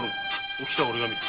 おきたは俺が見る。